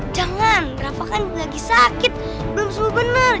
jangan rafa kan lagi sakit belum sempur bener